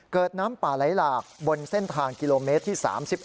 น้ำป่าไหลหลากบนเส้นทางกิโลเมตรที่๓๑